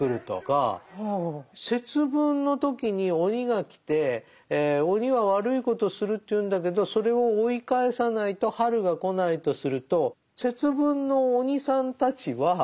節分の時に鬼が来て鬼は悪いことをするというんだけどそれを追い返さないと春が来ないとすると節分の鬼さんたちは。